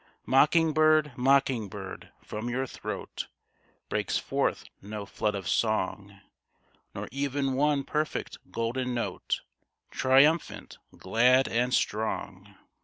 Mocking bird ! mocking bird ! from your throat Breaks forth no flood of song, Nor even one perfect golden note, Triumphant, glad, and strong